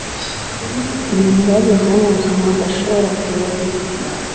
ibintu bagezeho mu buzima badashobora kwibagirwa